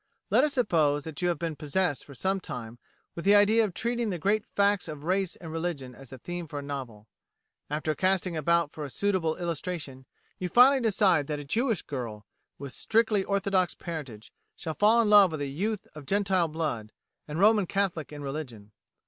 Let us suppose that you have been possessed for some time with the idea of treating the great facts of race and religion as a theme for a novel. After casting about for a suitable illustration, you finally decide that a Jewish girl, with strictly orthodox parentage, shall fall in love with a youth of Gentile blood, and Roman Catholic in religion.